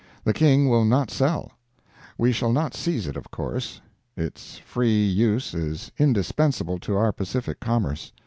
The King will not sell; we shall not seize it of course. Its free use is indispensable to our Pacific commerce.